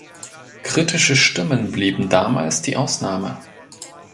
Kritische Stimmen blieben damals die Ausnahme.